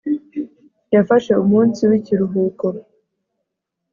yafashe umunsi w'ikiruhuko